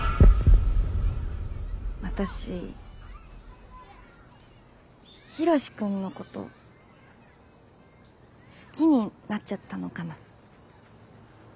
私ヒロシ君のこと好きになっちゃったのかな。